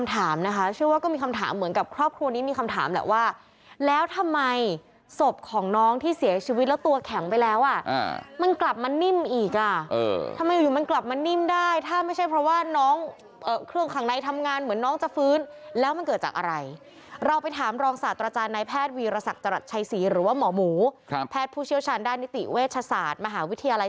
ตัวแข็งไปแล้วอ่ะอ่ามันกลับมานิ่มอีกอ่ะเออทำไมอยู่มันกลับมานิ่มได้ถ้าไม่ใช่เพราะว่าน้องเอ่อเครื่องข้างในทำงานเหมือนน้องจะฟื้นแล้วมันเกิดจากอะไรเราไปถามรองศาสตร์อาจารย์นายแพทย์วีรสักจรัสชัยศรีหรือว่าหมอหมูครับแพทย์ผู้เชี่ยวชาญด้านนิติเวชศาสตร์มหาวิทยา